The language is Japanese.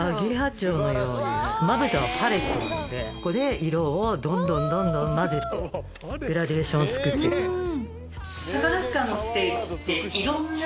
まぶたはパレットなのでここで色をどんどん混ぜてグラデーションを作って行きます。